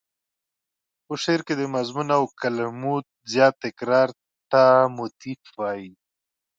په شعر کې د مضمون او کلمو زیات تکرار ته موتیف وايي.